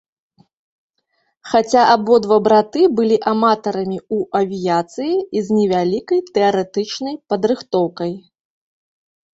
Хаця абодва браты былі аматарамі ў авіяцыі і з невялікай тэарэтычнай падрыхтоўкай.